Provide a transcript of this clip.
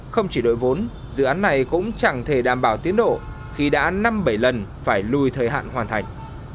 không chỉ đội vốn dự án này cũng chẳng thể đảm bảo tiến độ khi đã năm bảy lần phải lùi thời hạn hoàn thành